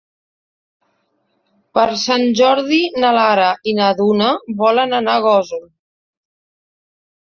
Per Sant Jordi na Lara i na Duna volen anar a Gósol.